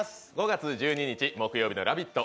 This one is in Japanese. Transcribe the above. ５月１２日木曜日の「ラヴィット！」